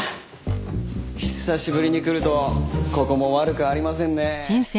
久しぶりに来るとここも悪くありませんね。